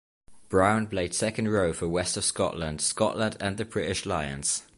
Brown played second row for West of Scotland, Scotland and the British Lions.